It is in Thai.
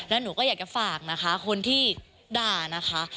แล้วหนูก็อยากจะฝากนะคะคนที่ด่านะคะ